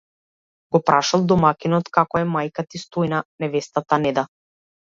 го прашал домаќинот, како е мајка ти Стојна, невестата Неда?